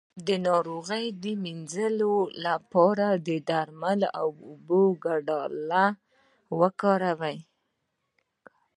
د ناروغۍ د مینځلو لپاره د درملو او اوبو ګډول وکاروئ